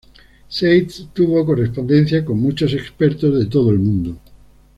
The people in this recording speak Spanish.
Seitz tuvo correspondencia con muchos expertos de todo el mundo.